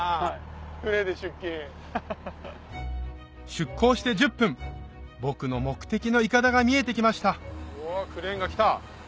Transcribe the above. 出港して１０分僕の目的のイカダが見えてきましたおクレーンが来た！